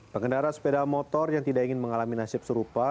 pengendara sepeda motor yang tidak ingin mengalami nasib serupa